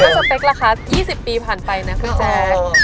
ตอนนี้ก็สเปคราคา๒๐ปีผ่านไปนะคุณแจ๊